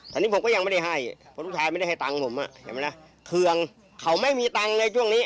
ตอนนี้ผมก็ยังไม่ได้ให้เพราะลูกชายไม่ได้ให้ตังค์ผมคืองเขาไม่มีตังค์ในช่วงนี้